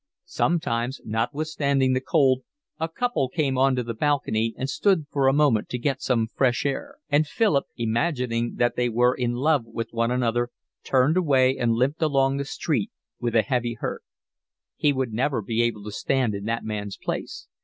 Sometimes, notwithstanding the cold, a couple came on to the balcony and stood for a moment to get some fresh air; and Philip, imagining that they were in love with one another, turned away and limped along the street with a heavy hurt. He would never be able to stand in that man's place.